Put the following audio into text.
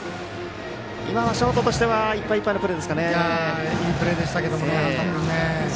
今はショートとしてはいっぱいいっぱいのいいプレーでしたけど。